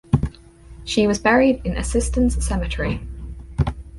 She was buried in Assistens Cemetery.